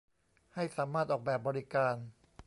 ให้สามารถออกแบบบริการ